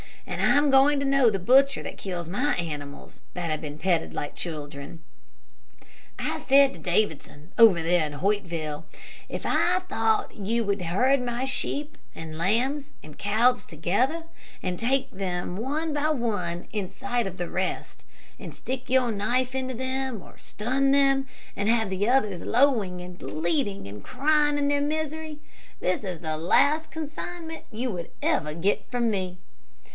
And I'm going to know the butcher that kills my animals, that have been petted like children. I said to Davidson, over there in Hoytville, 'If I thought you would herd my sheep and lambs and calves together, and take them one by one in sight of the rest, and stick your knife into them, or stun them, and have the others lowing, and bleating, and crying in their misery, this is the last consignment you would ever get from me.'